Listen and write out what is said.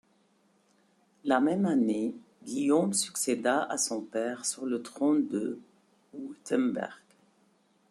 La même année Guillaume succéda à son père sur le trône de Wurtemberg.